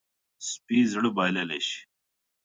سپي زړه بایللی شي.